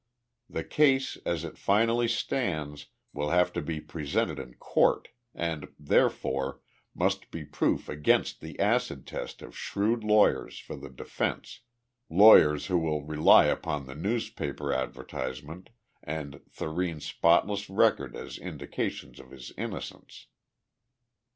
The case as it finally stands will have to be presented in court, and, therefore, must be proof against the acid test of shrewd lawyers for the defense, lawyers who will rely upon the newspaper advertisement and Thurene's spotless record as indications of his innocence."